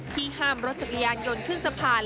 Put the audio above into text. ที่ห้ามรถจักรยานหย่นขึ้นสะพาน